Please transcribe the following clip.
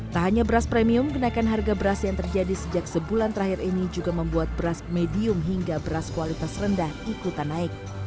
tak hanya beras premium kenaikan harga beras yang terjadi sejak sebulan terakhir ini juga membuat beras medium hingga beras kualitas rendah ikutan naik